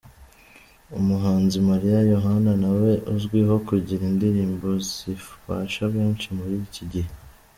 Umuhanzi Maria Yohana nawe azwiho kugira indirimbo zibasha benshi muri iki gihe .